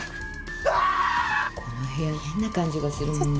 この部屋、変な感じがする。